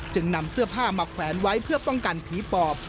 นำเสื้อผ้ามาแขวนไว้เพื่อป้องกันผีปอบ